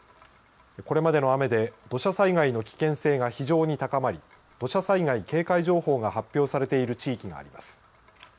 これまでの雨で土砂災害の危険性が非常に高まり土砂災害警戒情報が発表されている地域があります。